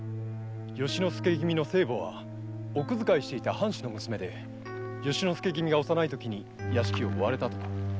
由之助君の生母は奥仕えしていた藩士の娘で若様が幼いころ屋敷を追われたとか。